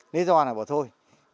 lý do là bỏ thôi